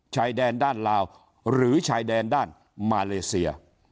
ชายแดนด้านลาวหรือชายแดนด้านมาเลเซีย